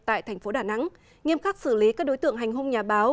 tại thành phố đà nẵng nghiêm khắc xử lý các đối tượng hành hung nhà báo